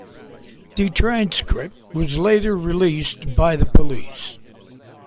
The transcript was later released by the police.